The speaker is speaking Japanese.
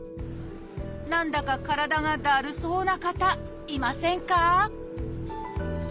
何だか体がだるそうな方いませんか？